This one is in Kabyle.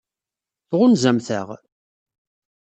Tɣunzamt-aɣ?